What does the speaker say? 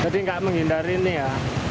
jadi nggak menghindari ini ya